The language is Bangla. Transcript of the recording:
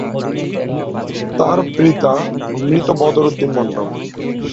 তার পিতা মৃত বদর উদ্দিন মণ্ডল।